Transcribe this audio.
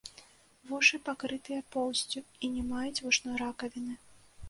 Вушы пакрытыя поўсцю і не маюць вушной ракавіны.